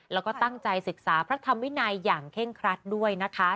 แล้วก็ตั้งใจศึกษาพระธรรมวินัยอย่างเคร่งครัดด้วยนะคะ